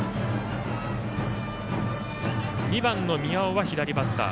２番の宮尾は左バッター。